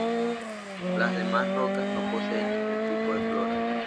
Las demás rocas no poseen ningún tipo de flora.